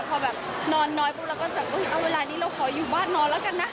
พอแบบนอนน้อยปุ๊บเราก็แบบเอาเวลานี้เราขออยู่บ้านนอนแล้วกันนะ